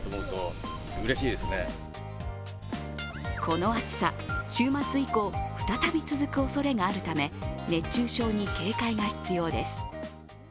この暑さ、週末以降、再び続くおそれがあるため熱中症に警戒が必要です。